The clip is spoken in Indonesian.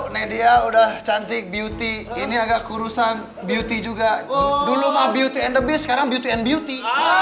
media udah cantik beauty ini agak kurusan beauty juga dulu sama beauty and the best sekarang beauty and beauty